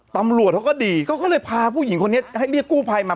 ตำรวจเขาก็ดีเขาก็เลยพาผู้หญิงคนนี้ให้เรียกกู้ภัยมา